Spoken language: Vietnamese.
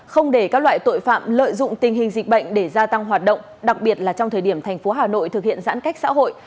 không để các loại tội phạm lợi dụng tình hình dịch bệnh để gia tăng hoạt động đặc biệt là trong thời điểm thành phố hà nội thực hiện giãn cách xã hội